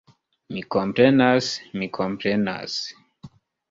Mi komprenas, mi komprenas!